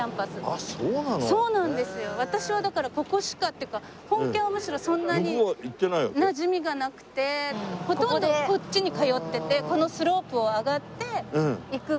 っていうか本キャンはむしろそんなになじみがなくてほとんどこっちに通っててこのスロープを上がって行く。